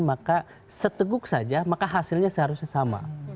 maka seteguk saja maka hasilnya seharusnya sama